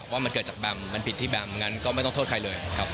ว่ามันเกิดจากแบมมันผิดที่แบมงั้นก็ไม่ต้องโทษใครเลยครับ